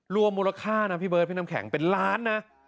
รวมมูลค่านะพี่เบิร์ดพี่น้ำแข็งเป็นล้านนะ